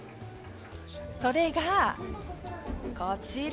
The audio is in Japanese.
それが、こちら。